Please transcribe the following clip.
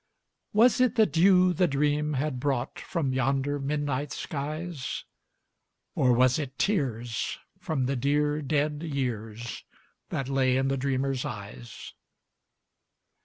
Was it the dew the dream had brought From yonder midnight skies, Or was it tears from the dear, dead years That lay in the dreamer's eyes?